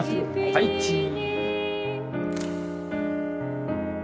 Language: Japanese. はいチー。